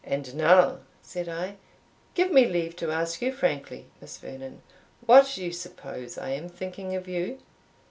_ "And now," said I, "give me leave to ask you frankly, Miss Vernon, what you suppose I am thinking of you!